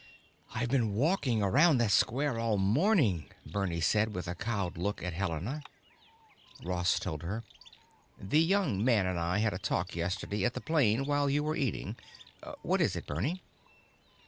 "I've been walking around that square all morning," Bernie said, with a cowed look at Helena. Ross told her: "This young man and I had a talk yesterday at the plane while you were eating. What is it, Bernie?"